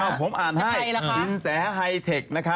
เอ้าผมอ่านให้สินแสไฮเทคนะครับ